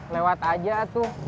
lewat aja tuh